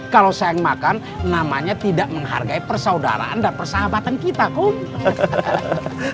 kalau saya yang makan namanya tidak menghargai persaudaraan dan persahabatan kita kok